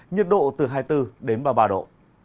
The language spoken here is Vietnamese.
nhiệt độ từ hai mươi bốn đến ba mươi ba độ